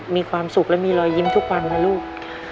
มีความสุขและมีรอยยิ้มทุกวันนะลูก